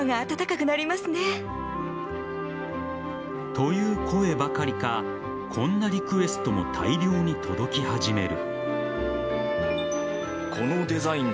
という声ばかりかこんなリクエストも大量に届き始める。